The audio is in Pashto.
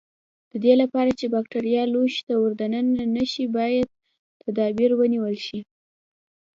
د دې لپاره چې بکټریا لوښي ته ور دننه نشي باید تدابیر ونیول شي.